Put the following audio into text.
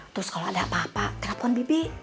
terus kalau ada apa apa telepon bibi